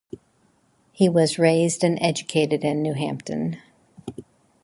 He was raised and educated in New Hampton.